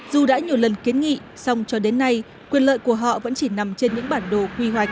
dù đã nhiều lần kiến nghị song cho đến nay quyền lợi của họ vẫn chỉ nằm trên những bản đồ quy hoạch